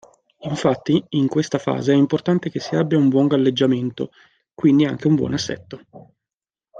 Infatti, in questa fase è importante che si abbia un buon galleggiamento (quindi anche un buon assetto).